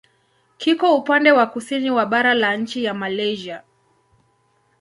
Kiko upande wa kusini wa bara la nchi ya Malaysia.